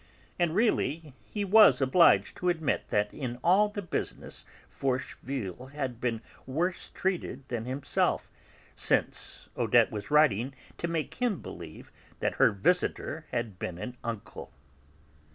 And, really, he was obliged to admit that in all this business Forcheville had been worse treated than himself, since Odette was writing to him to make him believe that her visitor had been an uncle.